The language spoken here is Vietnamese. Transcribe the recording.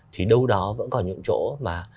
thì đâu đó vẫn còn những chỗ mà